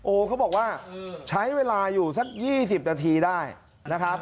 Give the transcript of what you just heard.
เขาบอกว่าใช้เวลาอยู่สัก๒๐นาทีได้นะครับ